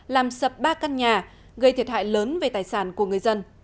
làm sập ba căn nhà gây thiệt hại lớn về tài sản của người dân